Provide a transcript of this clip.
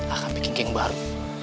akan bikin geng baru